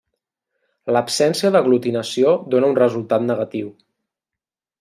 L'absència d'aglutinació dona un resultat negatiu.